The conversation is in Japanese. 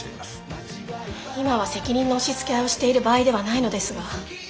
今は責任の押しつけ合いをしている場合ではないのですが。